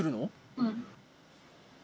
うん。